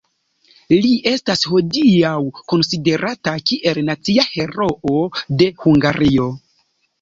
Li estas hodiaŭ konsiderata kiel nacia heroo de Hungario.